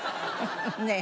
ねえ。